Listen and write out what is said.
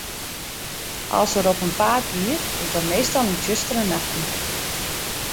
As er op 'en paad giet, is dat meastal yn tsjustere nachten.